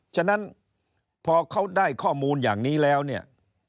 ฉะนั้นพอเขาได้ข้อมูลอย่างนี้แล้วเนี่ย